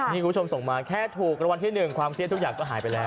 นี่คุณผู้ชมส่งมาแค่ถูกรางวัลที่๑ความเครียดทุกอย่างก็หายไปแล้ว